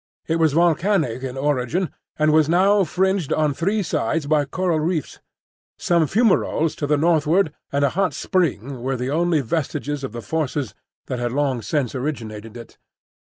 It was volcanic in origin, and was now fringed on three sides by coral reefs; some fumaroles to the northward, and a hot spring, were the only vestiges of the forces that had long since originated it.